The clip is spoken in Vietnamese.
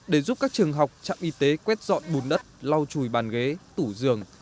để giúp các trường học trạm y tế quét dọn bùn đất lau chùi bàn ghế tủ giường